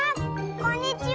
こんにちは。